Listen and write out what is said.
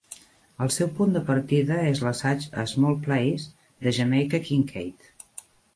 El seu punt de partida és l'assaig "A Small Place" de Jamaica Kincaid.